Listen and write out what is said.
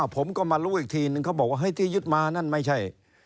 ผมก็มารู้อีกทีนึงเขาบอกว่าเฮ้ยที่ยึดมานั่นไม่ใช่